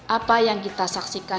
apa yang kita sakitkan